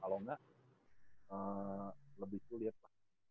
kalau enggak lebih sulit